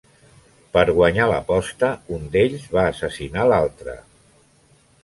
Per guanyar l'aposta un d'ells va assassinar l'altre.